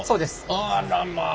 あらまあ。